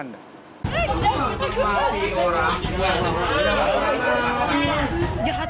eh jangan kembali orang